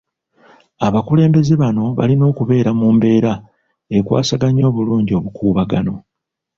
Abakulembeze bano balina okubeera mu mbeera ekwasaganya obulungi obukuubagano.